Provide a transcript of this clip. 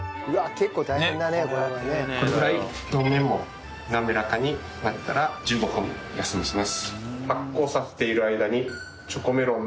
結構大変だねこれはね。これぐらい表面も滑らかになったら１５分休ませます。